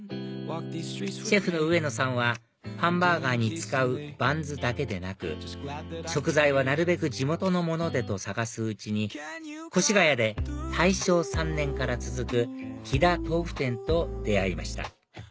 シェフの上野さんはパンバーガーに使うバンズだけでなく食材はなるべく地元のものでと探すうちに越谷で大正３年から続く木田とうふ店と出会いました